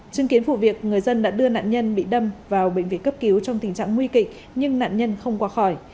chứng kiến vụ việc người dân đã đưa nạn nhân bị đâm vào bệnh viện cấp cứu trong tình trạng nguy kịch nhưng nạn nhân không qua khỏi